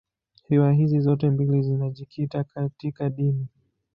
Riwaya hizi zote mbili zinajikita katika dini.